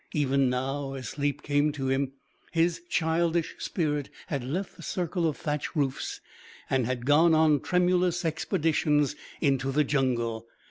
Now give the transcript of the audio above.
Even now, as sleep came to him, his childish spirit had left the circle of thatch roofs, and had gone on tremulous expeditions into the jungle.